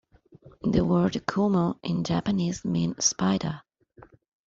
The word "kumo" in Japanese means "spider".